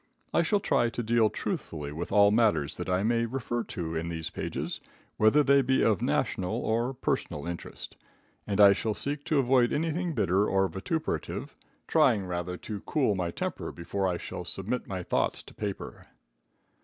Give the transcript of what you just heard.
I shall try to deal truthfully with all matters that I may refer to in these pages, whether they be of national or personal interest, and I shall seek to avoid anything bitter or vituperative, trying rather to cool my temper before I shall submit my thoughts to paper.